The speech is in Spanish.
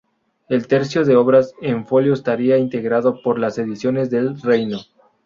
El tercio de obras en folio estaría integrado por las ediciones del Reino.